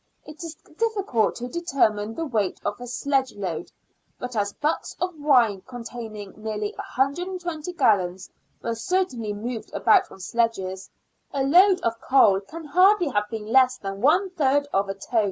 It is difficult to determine the weight of a sledge load, but as butts of wine containing nearly 120 gallons were certainly moved about on sledges, a load of coal can hardly have been less than one third of a ton.